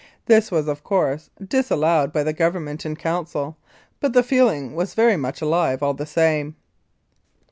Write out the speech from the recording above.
This was, of course, disallowed by the Governor General in Council, but the feeling was very much alive all the same.